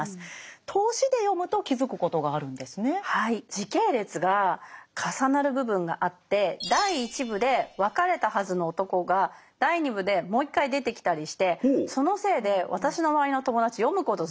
時系列が重なる部分があって第一部で別れたはずの男が第二部でもう一回出てきたりしてそのせいで私の周りの友達読むことを挫折した人が多いんですよ。